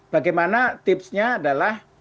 bagaimana tipsnya adalah